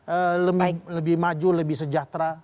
lebih maju lebih sejahtera